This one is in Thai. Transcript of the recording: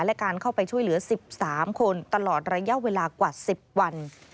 และการเข้าไปช่วยเหลือ๑๓คนตลอดระยะเวลากว่า๑๐วัน